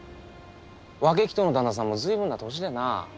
分鬼頭の旦那さんも随分な年でな。